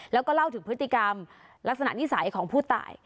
แล้วก็เล่าถึงพฤติกรรมลักษณะนิสัยของผู้ตาย